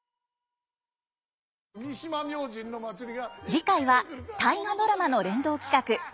次回は「大河ドラマ」の連動企画。